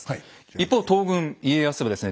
一方東軍家康はですね